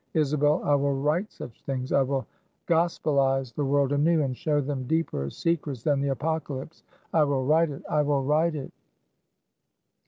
Isabel, I will write such things I will gospelize the world anew, and show them deeper secrets than the Apocalypse! I will write it, I will write it!"